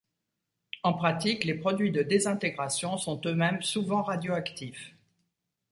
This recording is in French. En pratique, les produits de désintégration sont eux-mêmes souvent radioactifs.